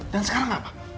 dan sekarang apa